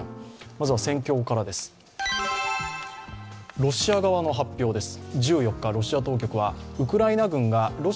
まずは戦況からです。